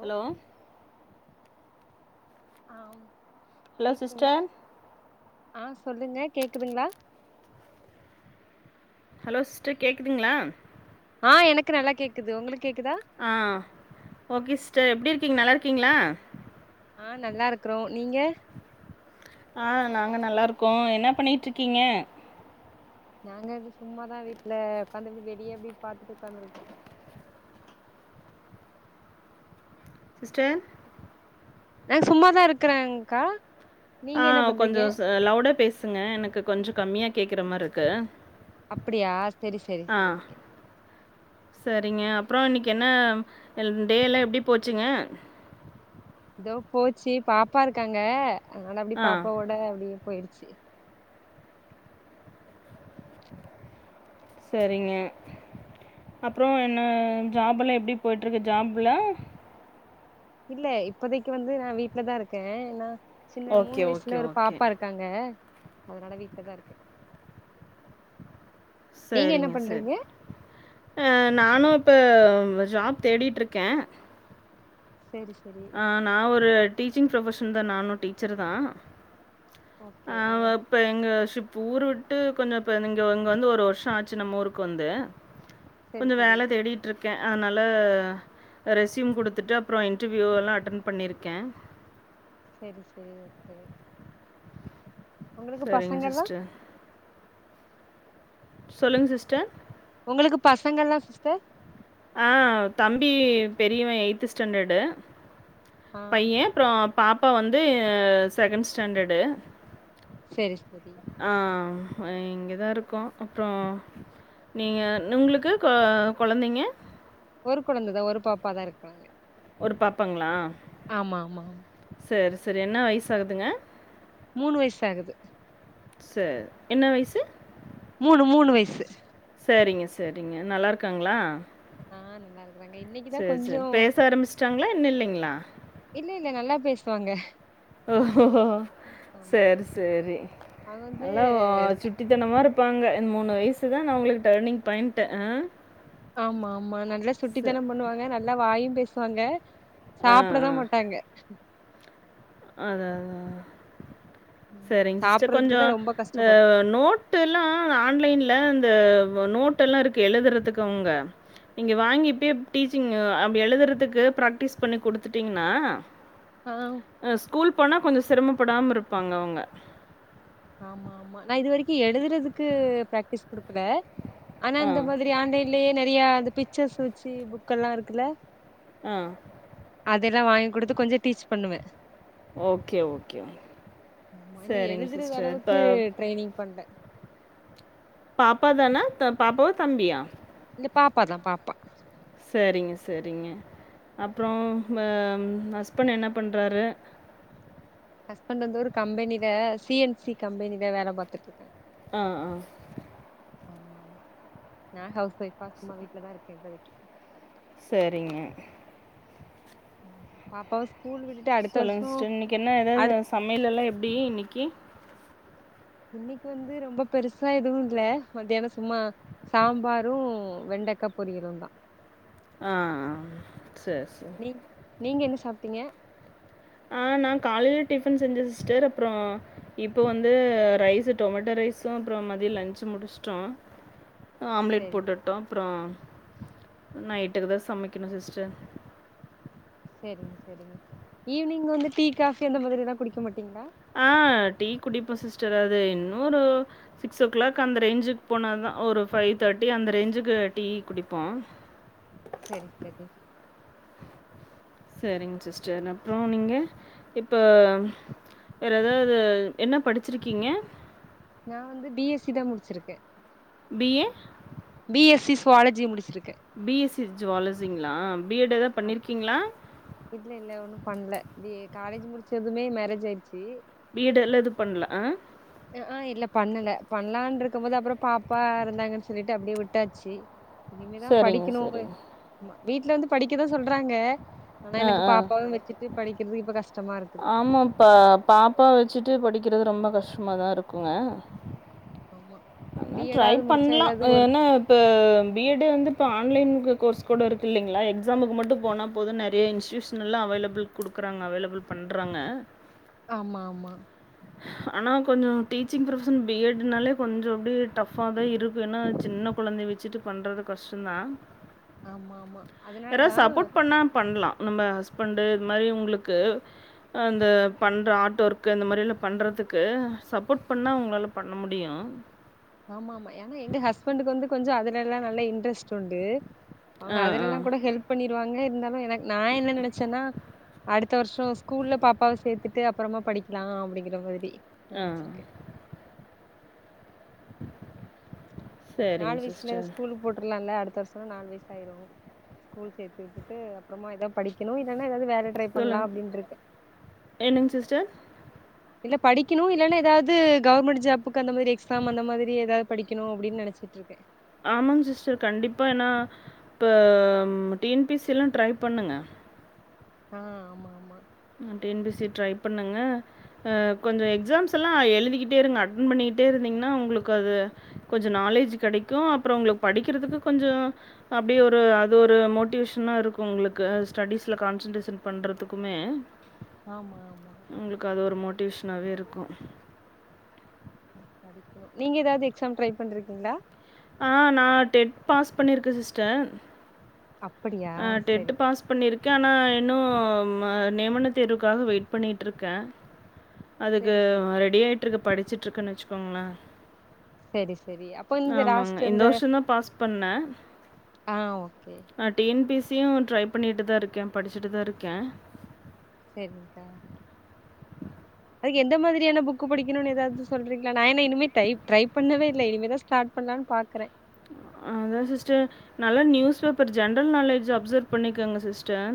Hello ஆ hello கேக்குதுங்ளா sister ஆ சொல்லுங்க கேக்குதுங்ளா ஹலோ சிஸ்டர் கேக்குதுங்களா ஆ எனக்கு நல்லா கேக்குது ஒங்களுக் கேக்குதா ஆ ஓகே சிஸ்டர் எப்டி இருக்கீங்க நல்லாருக்கீங்களா ஆ நல்லாருக்குறோ நீங்க ஆ நாங்க நல்லாருக்கோ என்ன பண்ணிட்ருக்கீங்க நாங்க அப்டி சும்மாதா வீட்ல உக்காந்து அப்டி வெளிய அப்டி பாத்துட்டு உக்காந்துருக்கோ சிஸ்டர் நா சும்மாதா இருக்குறேக்கா ஆ கொஞ்சோ ச லவுடா பேசுங்க எனக்கு கொஞ்சோ கம்மியா கேக்கற மார்ருக்கு அப்படியா செரி செரி செரி ஓகே சரிங்க அப்பறோ இன்னக்கி என்ன டேலா எப்டி போச்சுங்க எதோ போச்சு பாப்பா இருக்காங்க அதுனால அப்டி ஆ பாப்பாவோட அப்டியே போய்றுச்சு சரிங்க அப்பறோ என்ன ஜாபெல்லா எப்டி போயிட்ருக்கு ஜாபுல இல்ல இப்போதைக்கு வந்து நா வீட்ல தா இருக்கே ஏனா சின்ன மூணு ஓகே ஓகே வயசுல ஒரு ஓகே பாப்பா இருக்காங்க ல்ல அதுனால வீட்ல தா இருக்கே நீங்க என்ன சரிங்க சரி பண்றீங்க அ நானு இப்ப ஜாப் தேடிட்ருக்கே சேரி சரி அ நா ஒரு டீச்சிங் ப்ரொஃபெஷன் தா நானு டீச்சர் தா ஆ வப் இப்ப எங்க ஷிப் ஊரு விட்டு கொஞ்சோ இப்ப இங்க இங்க வந்து ஒரு வருஷோ ஆச்சு நம்ம ஊருக்கு வந்து செரி கொஞ்சோ செரி வேல தேடி ட்ருக்கே அதுனால ரெஸ்யூம் குடுத்துட்டு அப்றோ இன்டர்வியூவல்லா அட்டன் பண்ணிருக்கே சரி சரி ஓகே ஒங்களுக்கு சரிங்க பசங்கல்லா சிஸ்டர். சொல்லுங்க சிஸ்டர் ஒங்களுக்கு பசங்கள்லா சிஸ்டர் அ தம்பி பெரியவே எய்த்து ஸ்டாண்டடு ஆ பையே அப்பறோ பாப்பா வந்து செகேண்டு ஸ்டாண்டடு சரி சரி ஆ இங்கதா இருக்கோ அப்றோ நீங்க நுங்களுக்கு கொ கொழந்தைங்க ஒரு கொழந்ததா ஒரு பாப்பாதா இருக்காங்க ஒரு பாப்பாங்ளா ஆமா ஆமா செரி செரி என்ன வயசு ஆகுதுங்க மூணு வயசு ஆகுது செரி என்ன வயசு மூணு மூணு வயசு செரிங்க செரிங்க நல்லாருக்குங்ளா ஆ நல்லா இருக்கறாங்க இன்னைக்குதா செரி கொஞ்சோ செரி பேச ஆரம்பிச்சட்டாங்ளா இன்னு இல்லைங்ளா இல்ல இல்ல நல்லா பேசுவாங்க ஆமா செரி ஆமா செரி அது வந்து நல்லா [unintelligible] சுட்டிதனமாருப்பாங்க இந்த மூணு வயசு தான அவங்ளுக்கு டர்னிங் பாய்ண்ட்டு ஆமா ஆமா நல்லா சுட்டிதனம் பண்ணுவாங்க நல்லா வாயும் பேசுவாங்க ஆ சாப்டதா ஆ மாட்டாங்க அதான் அதான் ம் செரிங்க சிஸ்டர் சாப்டறதுக்கு தா கொஞ்சம் ரொம்ப இந்த கஷ்டப்படு நோட் டுல்லாம் ஆன்லைன்ல இந்த நோட்டேலாம் இருக்கு எழுதுறதுக்கு அவங்க இங்கே வாங்கி போய் டீச்சிஙு அப்டி எழுதுறதுக்கு ப்ராக்டிஸ் பண்ணி கொடுத்துட்டிங்கன்னா ஆ ஸ்கூல் போனால் கொஞ்சம் சிரமப்படாமல் இருப்பாங்க அவங்க ஆமா ஆமா நான் இது வரைக்கு எழுதுறதுக்கு பிரக்டிஸ் குடுக்கல ஆனா ஆ, இந்த மாதிரி ஆன்லைன் லே நெறைய அந்த பிச்சஸ் வச்சு புக்கல்லா இருக்குல ஆ அதேதா வாங் குடுத்து கொஞ்சோ டீச் பண்ணுவே ஒகே ஒகே செரிங் சிறிதளவுக்கு ட்ரைனிங் பண்றே பாப்பா தானே த பாப்பாவா தம்பியா இல்ல பாப்பாதா பாப்பா செரிங்க செரிங்க அப்றோம் பம் ஹஸ்பண்ட் என்ன பண்றாரு ஹஸ்பண்டு வந்து ஒரு கம்பெனில சி என் சி கம்பெனில வேல பாத்துட்டு இருக்கா ஆ ஆ ஆமா ஆமா நா ஹவுஸ் ஒய்ஃபா சும்மா வீட்லதா இருக்க இப்போதைக்கி செரிங்க பாப்பாவ ஸ்கூல் விட் சொல்லுங்க சிஸ்டர் இன்னைக்கு என்ன ஏதாவது சமையல் எல்லாம் எப்டி இன்னைக்கி இன்னைக்கு வந்து ரொம்ப பெருசா எதுவு இல்ல மத்யானோ சும்மா சாம்பாரு வெண்டக்கா பொரியலுந்தா ஆ ஆ செரி நீ நீங்க என்ன சாப்ட்டீங்க ஆ நான் காலையில டிபன் செஞ்சே சிஸ்டர் அப்றம் இப்ப வந்து ரைஸ் டொமேட்டோ ரைஸும் அப்றம் மதிய லஞ்சு முடிச்சுட்டோம் ஆம்லேட் செரி போட்டுவிட்டோம் அப்றம் நைட்டுக்கு தான் சமைக்கணும் சிஸ்டர் செரிங்க செரிங்க ஈவினிங் வந்து டீ காஃபி அந்த மாதிரிதான் குடிக்க மாட்டீங்களா ஆ டீ குடிப்போம் சிஸ்டர் அது இன்னொரு சிக்ஸ் ஓ கிளாக் அந்த ரேஞ்சுக்கு போனா தான் ஒரு ஃபைவ் தேர்ட்டி அந்த ரேஞ்சுக்கு டீ குடிப்போம் செரி செரி செரிங்க சிஸ்டர் அப்றம் நீங்கள் இப்போ வேற எதாவது என்ன படிச்சிருக்கீங்க நா வந்து பி எஸ் சி தா முடிச்சிருக்கே BA? B S C zoology முடிச்சிருக்கே பி எஸ் சி ஜுவாலர்ஜிங்களா பி எட் ஏதாது பண்ணிருக்கீங்களா இல்ல இல்ல ஒன்னு பண்ல பி காலேஜ் முடிச்சதுமே மேரேஜ் ஆயிர்ச்சி பீ எட் எல்லா எது பண்ல ஆ ஆ ஆ இல்ல பண்ணுல பண்லான்ருக்கும் போது அப்புறம் பாப்பா இருந்தாங்கன் சொல்லிட்டு அப்டியே விட்டாச்சு இனிமேதா சரிங்க, படிக்கணு சரிங்க. ஆமா வீட்டல வந்து படிக்கதா சொல்றாங்க ஆனா ஆ, எனக்கு ஆ. பாப்பாவு வெச்சுட்டு படிக்கிறது இப்ப கஷ்டமா இருக் ஆமாம் பா பாப்பா வெச்சுட்டு படிக்கிறது ரொம்ப கஷ்டமாதா இருக்குங்க ஆமா பி ட்ரை எடாவது முடிச்சா பண்லா ஏதாவது அ ஒரு என்ன ப பி எட் டு வந்து இப்ப ஆன்லைன்க்கு கோர்ஸ் கூட இருக்கு இல்லைங்களா எக்ஸாமுக்கு மட்டு போனா போது நிறைய இன்ஸ்டியூஷ் னலா அவைலபிள் குடுக்கறாங்க அவைலபிள் பண்றாங்க ஆமா ஆமா ஆனா கொஞ்சோ டீச்சிங் ப்ரொபஷன் பி எட் னாலே கொஞ்ச அப்டியே டஃப்பா தா இருக்கு என்னா சின்ன குழந்தைய வச்சுட்டு பண்றது கஷ்டந்தா ஆமா ஆமா யாராவது அதனாலதா சப்போர்ட் பண்ணா பண்லா நம்ம ஹஸ் பண்டு இது மாரி உங்களுக்கு அந்த பண்ற ஆட் ஒர்க் அந்த மாதிலா பண்றத்துக்கு சப்போர்ட் பண்ணா உங்களால பண்ண முடியு ஆமா ஆமா ஏனா எங்க ஹஸ்பண்டுக்கு வந்து கொஞ்ச அதுலெல்லா நல்ல இன்ட்ரெஸ்ட்டுண்டு ஆ, அவங்க ஆ, அதுலலெல்லாங்கூட ஹெல்ப் பண்ணிருவாங்க இருந்தாலு எனக் நா என்ன நெனச்சன்னா அடுத் த்த வர்ஷோ ஸ்கூல்ல பாப்பாவ சேத்துட்டு அப்பறமா படிக்கலா அப்டிங்கிற மாதிரி ஆ. நெனச்சிருக்க நாலு சரிங்க வயசுல சிஸ்டர். ஸ்கூலுக் போட்டர்லால்ல அடுத்த வர்ஷ் ப நால் வய்ஸ் ஆயிரு ஸ்கூல் சேர்த்து உட்டுட்டு அப்புறமா ஏதாவது படிக்கணு இல்லனா ஏதாவது வேல ட்ரை பண்லா சொல்லுங் அப்டின்ருக்கே என்னங் சிஸ்டர் இல்ல படிக்குனு இல்லைன்னா எதாவது கவர்மெண்ட் ஜாப்புக்கு அந்த மாதிரி எக்ஸாம் அந்த மாதிரி ஏதாது படிக்கணு அப்படின் நெனச்சி ட்டுருக்கே ஆமாங் சிஸ்டர் கண்டிப்பாக ஏன்னா இப்ப டி என் பீ சி லா ட்ரை பண்ணுங்க ஆ ஆமா ஆமா ஆ T N P C try பண்ணுங்க அ கொஞ்சோ எக்ஸாம்ஸ் எல்லா எழுதிக்கிட்டே இருங்க அட்டென் பண்ணிக்கிட்டே இருந்தீங்கன்னா உங்களுக்கு அது கொஞ்ச நாலேஜ் கெடைக்கு அப்புற உங்களுக் படிக்கிறதுக்கு கொஞ்சோ அப்படியே ஒரு அது ஒரு மோட்டிவேஷனா இருக்கு உங்களுக்கு ஸ்டடிஸ்ல கான்சன்ட்ரேஷன் பண்றதுக்குமே ஆமா ஆமா உங்களுக்கு அது ஒரு மோட்டிவேஷனாவே இருக்கு படிக்கணு நீங்க எதாவது எக்ஸாம் ட்ரை பண்ரிக்கீங்களா ஆ நா டெத் பாஸ் பண்ணியிருக்கே சிஸ்டர் அப்படியா அ டெட் செரி பாஸ் பண்ணிருக் க்கே ஆனா இன்னு ம நிமன தேர்வுக்காக வெயிட் பண்ணியிட்ருக்க அதுக்கு செரி செரி ரெடியாயிட்டுருக் படிச்சிட்டுருக்கன் வச்சுக்கோங்களே சேரி சேரி அப்ப இந்த லாஸ்ட்டு இந்த இந்து வருஷம் தான் பாஸ் அ ஓகே நா T N P S C யு ட்ரைப் பண்ணிட்டுதா இருக்கே படிச்சுட்டுதா இருக்கே சேரி்ங்க்கா அதுக்கெந்த மாதிரியான புக்கு படிக்கணுன் ஏதாவுது சொல்றீங்களா நா ஏனா இனிமே டைப் ட்ரைப் பண்ணவே இல்ல இனிமேதா ஸ் ஸ்டாட் பண்லான் பாக்றே அதா சிஸ்டர் நல்லா news paper general knowledge observe பண்ணிக்கங்க சிஸ்டர்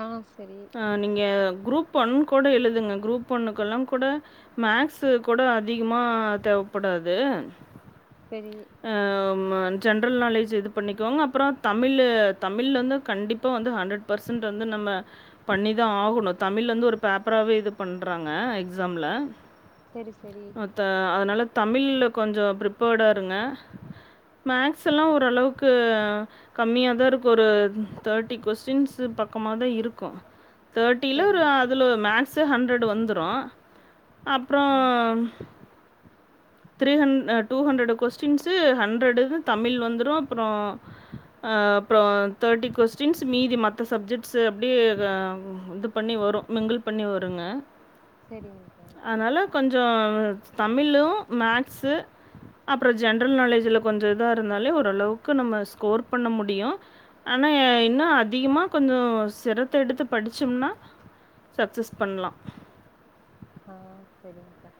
அ செரி அ நீங்க குரூப் ஒன் கூட எழுதுங்க குரூப் ஒன்னுக்கெல்லாங்கூட மேக்ஸ்ஸு கூட அதிகமா தேவப்படாது செரி அ ம ஜென்ரல் நாலேஜ் இது பண்ணிக்கோங்க அப்பறோ தமிழு தமிழ் வந்து கண்டிப்பா வந்து ஹண்ட்ரட் பர்சன்ட்டு வந்து நம்ம பண்ணிதா ஆகணு தமிழ்லந்து ஒரு பேப்பராவே இது பண்றாங்க எக்ஸாம்ல செரி செரி த அதனால தமிழ்ல கொஞ்சோ பிரிப்பர்டா இருங்க மேக்ஸ் எல்லா ஆ ஓரளவுக்கு கம்மியாதா இருக்கு ஒரு தேர்ட்டி கொஸ்டின்ஸு பக்கமாதா இருக்கு தேர்ட்டில சரி ஒரு அதுல மேக்ஸே ஹண்ட்ரடு வந்துரு அப்ற அ அ த்ரீ ஹன் அ டூ ஹன்ட்ரடு கொஸ் டின்ஸு ஹண்ட்ரடு இதௌ தமிழ் வந்துரு அப்றோ அ அப்றோ தேர்ட்டி கொஸ்டின்ஸ் மீதி மத்த சப்ஜெக்ட்ஸ்ஸு அப்டியே இது பண்ணி வரு மிங்கிள் பண்ணி வருங்க சரிங்கா அனால கொஞ்சோ தமிழு மேக்ஸு அப்றோ ஜென்ரல் நாலேஜ்ல கொஞ்சோ இதா இருந்தாலே ஓரளவுக்கு நம்ம ஸ்கோர் பண்ண முடியு ஆனா இன்னா அதிகமா கொஞ்சோ சிரத்த எடுத்து படிச்சம்னா சக்ஸஸ் பண்ணலா ஆ செரிங்கா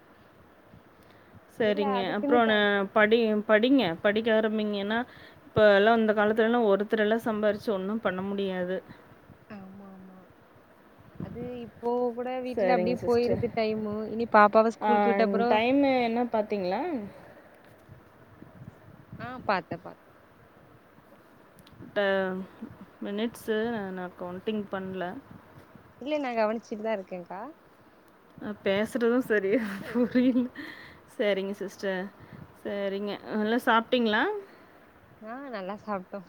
சேரிங்க அதுக்குன்னு அப்றோ என்ன தனி படி படிங்க படிக்க ஆரம்பிங்கன்னா இப்ப எல்லா இந்த காலத்துலல்லா ஒருத்தர் எல்லா சம்பாதிச்சி ஒன்னு பண்ண முடியாது ஆம் ஆமா அது இப்போ கூட வீட்ல சரிங்க அப்டியே சிஸ்டர் போயிருது டைமு இனி பாப்பாவ ஸ்கூலுக்கு விட்ட அப்றோ இன்னு என்னப் பாத்தீங்ளா அ பாத்தே பாத்தே ஆ மினிட்ஸ்ஸு நா கவுண்ட்டிங் பண்ல இல்ல நா கவனிச்சிட்டுதா இருக்கேங்கா அ பேசறது சரியா புரில சேரிங்க சிஸ்டர் சேரிங்க நல்லா சாப்ட்டீங்ளா ஆ நல்லா சாப்டோ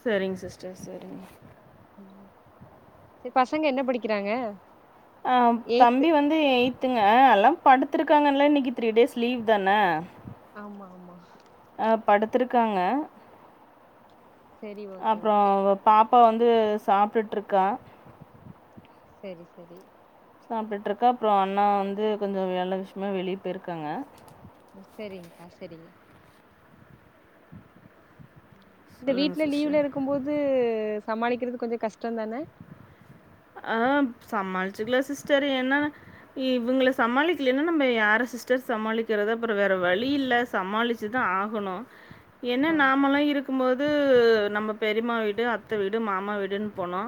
சேரிங் சிஸ்டர் சேரிங் ம் சேர் பசங்க என்ன படிக்கிறாங்க ஆ ம் எய்த் தம்பி வந் து எய்த்துங்க எல்லா படுத்திருக்காங்க எல்லா இன்னிக்கி த்ரீ டேஸ் லீவ் தானே ஆமா ஆமா அ படுத்துருக்காங்க சரி ஓகே அப்றோ ஓகே அவப் பாப்பா வந்து சாப்ட்டுட்டு இருக்கா செரி செரி சாப்ட்டுட்டிருக்கா அப்றோ அண்ணா வந்து கொஞ்சோ வேல விஷயமா வெளிய பேயிருக்காங்க ம் சரிங்க்கா சரிங்க இந்த சொல்லுங்கள் வீட்டுல சிஸ்டர் லீவ்ல இருக்கும் போது சமாளிக்கிறது கொஞ்ச கஷ்டதான ஆ சமாளிச்சுக்கலா சிஸ்டர் ஏன்னா இவங்கள சமாளிக்கல்லன்னா நம்ம யார சிஸ்டர் சமாளிக்கிறது அப்பற வேற வழி இல்ல சமாளிச்சுதா ஆகணு என்ன ஆமா நாம்மலா இருக்கும் போது நம்ம பெரிம்மா வீடு அத்த வீடு மாமா வீடுன்னு போனோ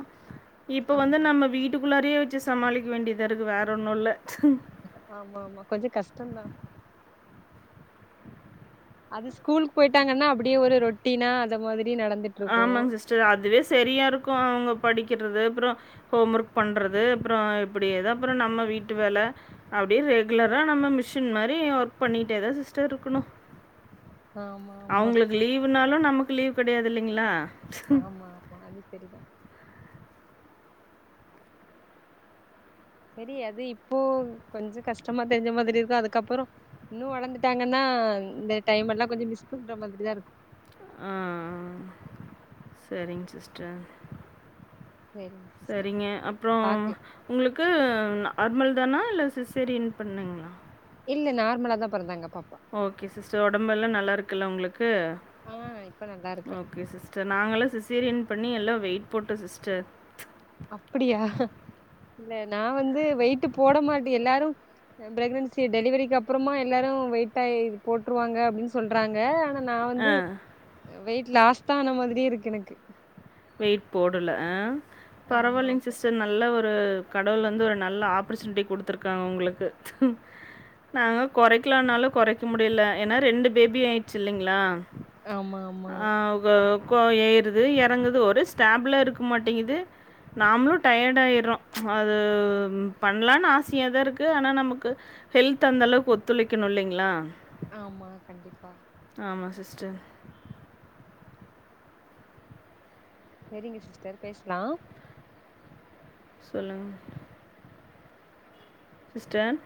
இப்ப வந்து ஆமா நம்ம வீட்டுக்குள்ளாரே வச்சு சமாளிக்க வேண்டியதா இருக்கு வேற ஒன்னு இல்ல ஆமா ஆமா கொஞ்ச கஷ்டந்தா அது ஸ்கூலுக்கு போயிட்டாங்கன்னா அப்டியே ஒரு ரொட்டீனா அந்த மாதிரி நடந்து ஆமாங்க சிஸ்டர் அதுவே சரியா இருக்கும் அவுங்க படிக்கறது அப்பற ஹோம் ஒர்க் பண்றது அப்பற இப்டி ஏதோ அப்பற நம்ம வீட்டு வேல அப்டியே ரெகுலரா நம்ம மிஷின் மாரி ஒர்க் பண்ணிட்டேதா சிஸ்டர் இருக்கணு ஆமா ஆமா அவுங்களுக்கு லீவ்னாலு நமக்கு லீவ் கிடையாது இல்லிங்களா ஆமா ஆமா அது சரிதா சரி அது இப்போ கொஞ்ச கஷ்டமா தெரிஞ்ச மாதிரி இருக்கும் அதுக்கப்பற இன்னு வளர்ந்துட்டாங்கன்னா இந்த டைம் எல்லா கொஞ்ச மிஸ் பண்ற மாதிரி தா இருக்கு ஆ சரிங்க சிஸ்டர் செரிங்க சிஸ்டர் சரிங்க அப்றோ பாக்கலா உங்களுக்கு நார்மல் தானா இல்ல சிஸேரியன் பண்ணுங்களா இல்ல நார்மலா தா பிறந்தாங்க பாப்பா ஓகே சிஸ்டர் உடம்பெல்லா நல்லாயிருக்குல்ல உங்களுக்கு ஆ இப்ப நல்லா இருக்கறே ஓகே சிஸ் நாங்கல்லா சிஸ்சேரியன் பண்ணி எல்லா வெயிட் போட்ட சிஸ்டர் அப்டியா இல்ல நா வந்து வெயிட் போட மாட் எல்லாரு பிரெகனன்சி டெலிவரிக்கு அப்பறமா எல்லாரு வெயிட் ஆயி போட்டுருவாங்க அப்டின்னு சொல்றாங்க ஆனா நா வந்து ஆ வெய்ட்லாஸ்தா ஆன மாதிரி இருக்கு எனக்கு வெயிட் போடுல ஆ ஆமா பரவாயில்லைங்க ஆமா சிஸ்டர் நல்ல ஒரு ஒரு கடவுள் வந்து ஒரு நல்ல ஆப்பர்ச்சுனிட்டி கொடுத்துருக்காங்க உங்களுக்கு நாங் குறைக்கலானாலு குறைக்க முடில ஏன்னா ரெண்டு பேபி ஆயிடுச்சு இல்லிங்களா ஆமா ஆமா ஆ கோ ஆபா ஆப்பே ஏறுது இறங்குது ஒரு ஸ்டாப்லா இருக்க மாட்டங்குது நாமளு டயட் ஆயிறோ அது ம் பண்ணலான்னு ஆசையா தா இருக்கு ஆனா நமக்கு ஹெல்த் அந்த அளவுக்கு ஒத்துழைக்கணு இல்லைங்களா ஆமா கண்டிப்பா ஆமா சிஸ்டர் சேரிங்க சிஸ்டர் பேசுலா சொல்லுங்க சிஸ்டன்